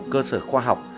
cơ sở khoa học